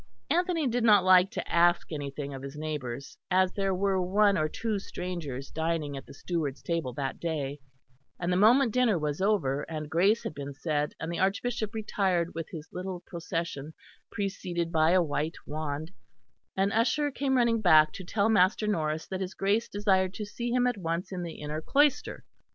Anthony did not like to ask anything of his neighbours, as there were one or two strangers dining at the steward's table that day; and the moment dinner was over, and grace had been said and the Archbishop retired with his little procession preceded by a white wand, an usher came running back to tell Master Norris that his Grace desired to see him at once in the inner cloister.